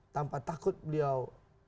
tanpa takut beliau